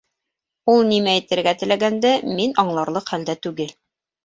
Ул нимә әйтергә теләгәнде мин аңларлыҡ хәлдә түгел